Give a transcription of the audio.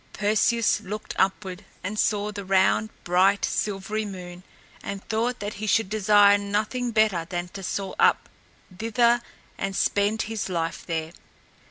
Perseus looked upward and saw the round, bright, silvery moon and thought that he should desire nothing better than to soar up thither and spend his life there.